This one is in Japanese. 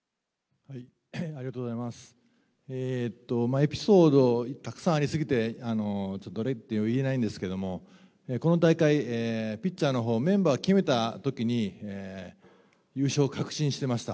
エピソード、たくさんあり過ぎて、ちょっと、どれとは言えないんですけど、この大会、ピッチャーのほう、メンバー決めたときに、優勝を確信していました。